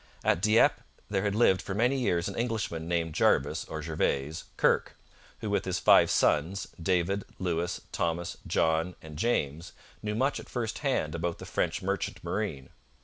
At Dieppe there had lived for many years an Englishman named Jarvis, or Gervase, Kirke, who with his five sons David, Lewis, Thomas, John, and Jamesknew much at first hand about the French merchant marine.